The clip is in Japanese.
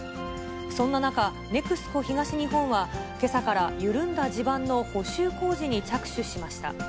そんな中、ネクスコ東日本はけさから、緩んだ地盤の補修工事に着手しました。